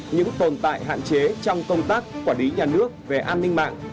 những tồn tại hạn chế trong công tác quản lý nhà nước về an ninh mạng